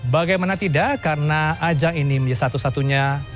bagaimana tidak karena ajang ini menjadi satu satunya